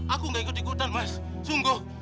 aku gak ikut ikutan mas sungguh